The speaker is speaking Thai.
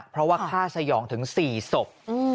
เพราะว่าฆ่าสยองถึง๔ศพ